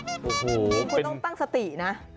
โอ้โหคุณต้องตั้งสตินะ